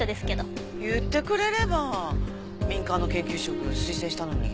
言ってくれれば民間の研究職推薦したのに。